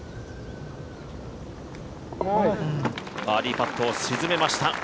バーディーパットを沈めました。